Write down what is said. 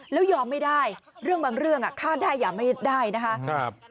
แล้วยอมไม่ได้เรื่องบางเรื่องฆ่าได้อย่าไม่ได้นะคะ